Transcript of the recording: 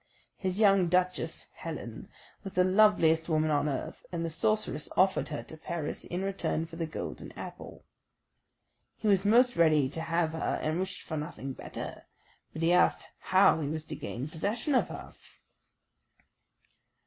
His young Duchess Helen was the loveliest woman on earth, and the sorceress offered her to Paris in return for the golden apple. He was most ready to have her and wished for nothing better; but he asked how he was to gain possession of her."